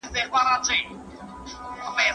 ¬ که خرو ښکرونه درلوداى، د غويو نسونه بې ور څيرلي واى.